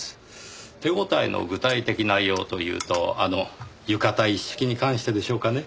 手応えの具体的内容というとあの浴衣一式に関してでしょうかね？